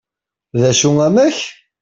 d acu amek?